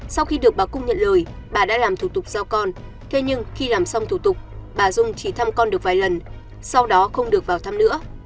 sau khi được bà cung nhận lời bà đã làm thủ tục giao con thế nhưng khi làm xong thủ tục bà dung chỉ thăm con được vài lần sau đó không được vào thăm nữa